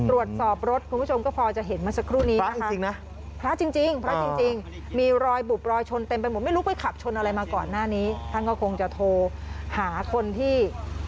ตรวจสอบรถคุณผู้ชมก็พอจะเห็นเมื่อสักครู่นี้นะจริงนะพระจริงพระจริงมีรอยบุบรอยชนเต็มไปหมดไม่รู้ไปขับชนอะไรมาก่อนหน้านี้ท่านก็คงจะโทรหาคนที่